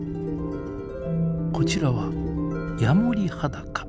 こちらはヤモリハダカ。